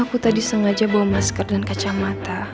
aku tadi sengaja bawa masker dan kacamata